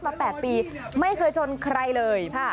มา๘ปีไม่เคยชนใครเลย